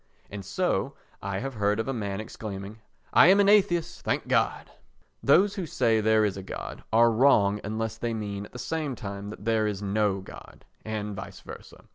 And so, I have heard of a man exclaiming "I am an atheist, thank God!" Those who say there is a God are wrong unless they mean at the same time that there is no God, and vice versa.